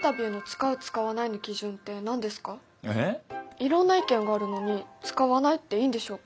いろんな意見があるのに使わないっていいんでしょうか？